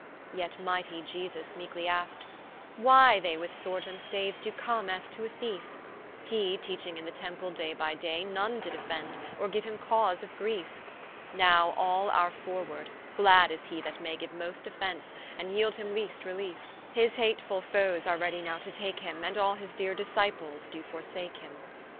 Yet mighty IE S V S meekely ask'd, Why they With Swords and Staves doe come as to a Thiefe? Hee teaching in the Temple day by day None did offend, or give him cause of griefe. Now all are forward, glad is he that may Give most offence, and yeeld him least reliefe: His hatefull foes are ready now to take him, And all his deere Disciples do forsake him.